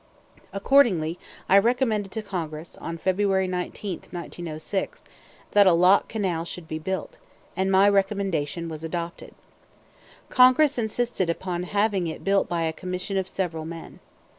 Accordingly I recommended to Congress, on February 19, 1906, that a lock canal should be built, and my recommendation was adopted. Congress insisted upon having it built by a commission of several men.